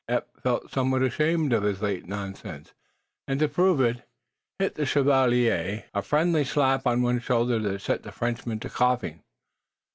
Eph felt somewhat ashamed of his late nonsense, and, to prove it, hit the Chevalier d'Ouray a friendly slap on one shoulder that set the Frenchman to coughing.